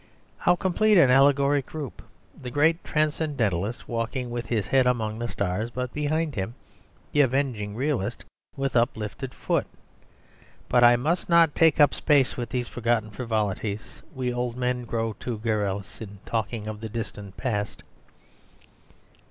How complete an allegoric group; the great transcendentalist walking with his head among the stars, but behind him the avenging realist pede claudo, with uplifted foot. But I must not take up space with these forgotten frivolities; we old men grow too garrulous in talking of the distant past.